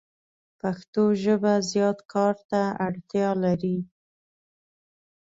پښتو ژبه زیات کار ته اړتیا لری